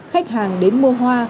khách hàng đến mua hoa